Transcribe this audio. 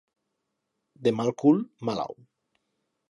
De mal cul, mal ou.